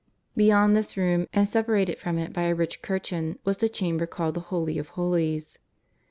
Beyond this room, and separated from it by a rich curtain, was the chamber called the Holy of Holies.